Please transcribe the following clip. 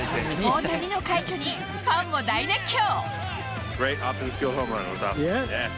大谷の快挙にファンも大熱狂。